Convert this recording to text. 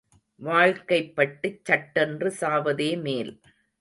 வாழ்க்கைப்பட்டுச் சட்டென்று சாவதே மேல்.